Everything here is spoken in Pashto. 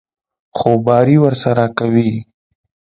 خوباري ورسره کوي.